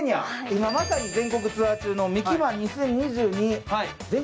今まさに全国ツアー中のミキ漫２０２２。